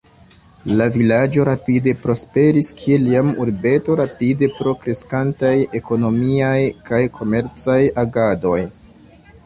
La vilaĝo rapide prosperis kiel jam urbeto rapide pro kreskantaj ekonomiaj kaj komercaj agadoj.